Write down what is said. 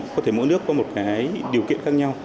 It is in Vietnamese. có thể mỗi nước có một cái điều kiện khác nhau